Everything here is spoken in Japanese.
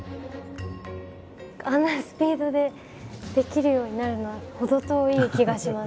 あんなスピードでできるようになるのは程遠い気がします